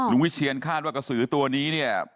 วิเชียนคาดว่ากระสือตัวนี้เนี่ย